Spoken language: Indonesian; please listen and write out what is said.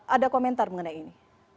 ada komentar mengenai ini